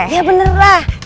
ya bener lah